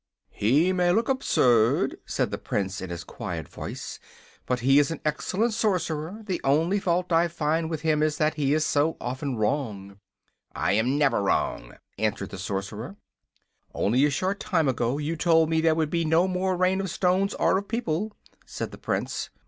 "He may look absurd," said the Prince, in his quiet voice; "but he is an excellent Sorcerer. The only fault I find with him is that he is so often wrong." "I am never wrong," answered the Sorcerer. "Only a short time ago you told me there would be no more Rain of Stones or of People," said the Prince.